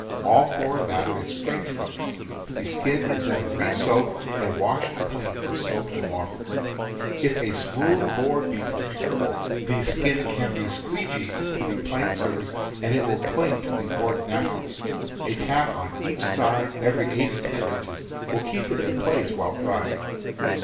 All foreign matter is scraped _. from it; the skin is then re soaked and ,^^,,. washed clean with soap and water. If a smooth e board be procurable, the skin can be "squee geed" to the planed surface and it will cling to the board naturally. A tack on each side every eight or ten inches will keep it in place while drying.